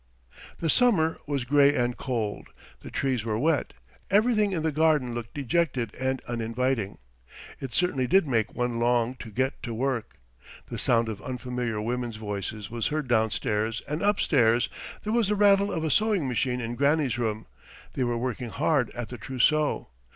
The summer was grey and cold, the trees were wet, everything in the garden looked dejected and uninviting, it certainly did make one long to get to work. The sound of unfamiliar women's voices was heard downstairs and upstairs, there was the rattle of a sewing machine in Granny's room, they were working hard at the trousseau.